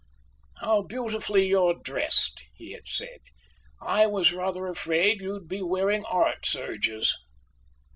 "How beautifully you're dressed!" he had said. "I was rather afraid you'd be wearing art serges."